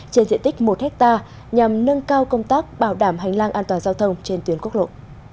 trên diện tích một hectare nhằm nâng cao công tác bảo đảm hành lang an toàn giao thông trên tuyến quốc lộ